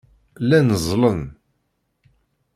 Llan ẓẓlen.